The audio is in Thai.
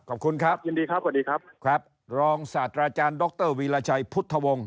ขอบคุณครับรองศาสตราจารย์ดรวีลาชัยพุทธวงศ์